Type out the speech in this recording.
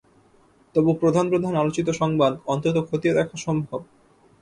তবু প্রধান প্রধান আলোচিত সংবাদ অন্তত খতিয়ে দেখা সম্ভব।